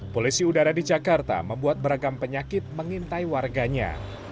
polisi udara di jakarta membuat beragam penyakit mengintai warganya